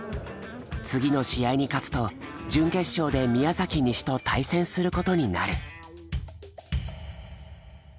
次の試合に勝つと準決勝で宮崎西と対戦することになる。